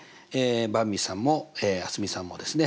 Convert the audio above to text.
ばんびさんも蒼澄さんもですね